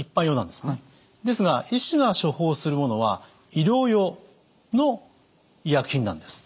ですが医師が処方するものは医療用の医薬品なんです。